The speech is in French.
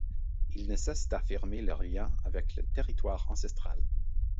Ils ne cessent d'affirmer leur lien avec le territoire ancestral.